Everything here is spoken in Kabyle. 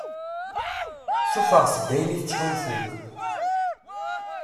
Ssuffɣet-d ayen i tettḥulfum.